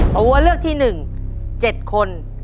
ตัวเลือกที่หนึ่ง๗คน